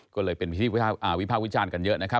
ก็เลยเป็นพิธีวิภาควิจารณ์กันเยอะ